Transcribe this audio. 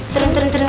turun turun turun